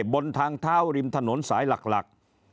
บนทางเท้าริมถนนสายหลัก